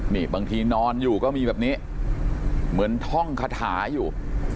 นี่บางทีนอนอยู่ก็มีแบบนี้เหมือนท่องคาถาอยู่